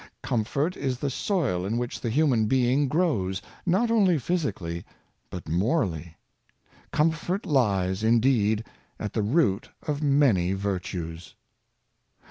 Comfort is the soil in which the human being grows, not only physically, but morally. Comfort lies, indeed, at the root of many virtues.